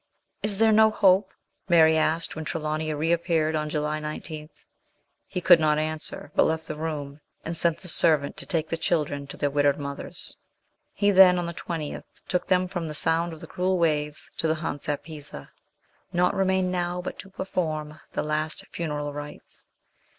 " Is there no hope? " Mary asked, when Trelawny reappeared on July 19. He could not answer, but left the room, and sent the servant to take the chil dren to their widowed mothers. He then, on the 20th, took them from the sound of the cruel waves to the Hunts at Pisa. Naught remained now but to perform the last funeral rites.